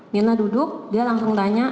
mirna duduk dia langsung tanya